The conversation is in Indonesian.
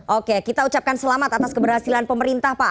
oke kita ucapkan selamat atas keberhasilan pemerintah pak